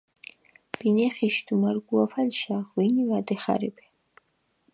ბინეხიში დუმარგუაფალიშა ღვინი ვადეხარებე.